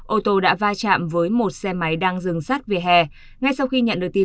ô tô đã va chạm với một xe máy đang dừng sát về hè